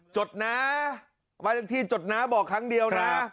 จดนะว่าทั้งที่จดนะบอกครั้งเดียวนะ